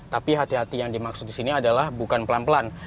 tapi hati hati yang dimaksud di sini adalah bukan pelan pelan